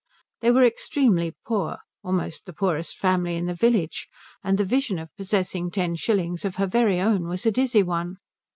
They were extremely poor; almost the poorest family in the village, and the vision of possessing ten shillings of her very own was a dizzy one.